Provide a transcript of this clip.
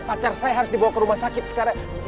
pacar saya harus dibawa ke rumah sakit sekarang